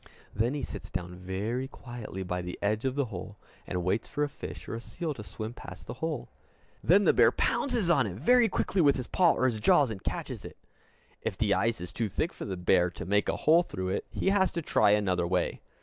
Then he sits down very quietly by the edge of the hole, and waits for a fish or a seal to swim past the hole. Then the bear pounces on it very quickly with his paw or his jaws, and catches it. If the ice is too thick for the bear to make a hole through it, he has to try another way.